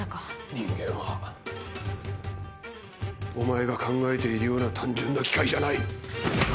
人間はお前が考えているような単純な機械じゃない！